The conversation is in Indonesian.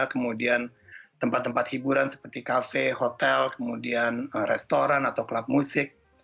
kemudian tempat tempat hiburan seperti kafe hotel kemudian restoran atau klub musik